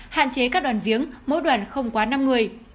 hạn chế các đoàn viếng mỗi đoàn không quá năm người